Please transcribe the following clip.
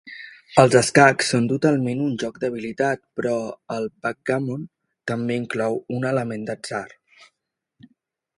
Els escacs són totalment un joc d'habilitat, però el backgammon també inclou un element d'atzar